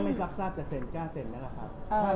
ก็ไม่ทรัพย์ทราบจะเซ็นกล้าเซ็นไหมล่ะครับ